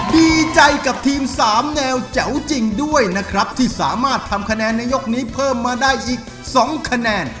ดีใจกับทีม๓แนวแจ๋วจริงด้วยนะครับที่สามารถทำคะแนนในยกนี้เพิ่มมาได้อีก๒คะแนน